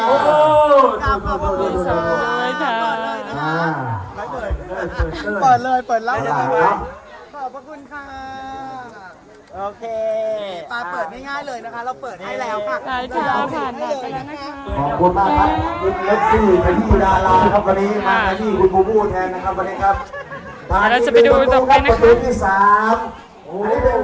โอเคปลาเปิดง่ายง่ายเลยนะคะเราเปิดให้แล้วค่ะให้แล้วนะคะ